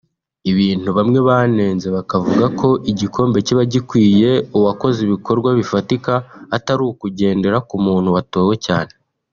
ibintu bamwe banenze bakavuga ko igikombe kiba gikwiye uwakoze ibikorwa bifatika atari ukugendera ku muntu watowe cyane